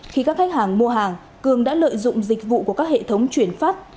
khi các khách hàng mua hàng cường đã lợi dụng dịch vụ của các hệ thống chuyển phát